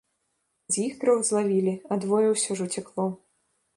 З іх трох злавілі, а двое ўсё ж уцякло.